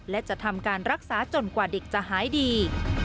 และจะทำการรักษาจนกว่าเด็กจะหายดี